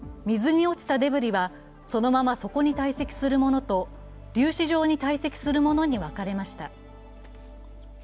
水に落ちたデブリは、そのまま底に堆積するものと粒子状にたい積するものに分かれました。